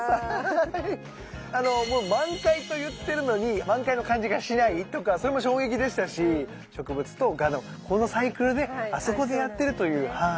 もう満開と言ってるのに満開の感じがしないとかそれも衝撃でしたし植物と蛾のこのサイクルねあそこでやってるという。